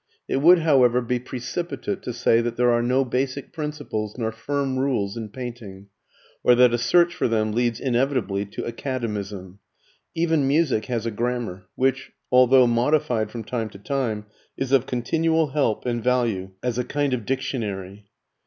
It would, however, be precipitate to say that there are no basic principles nor firm rules in painting, or that a search for them leads inevitably to academism. Even music has a grammar, which, although modified from time to time, is of continual help and value as a kind of dictionary.